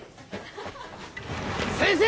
先生！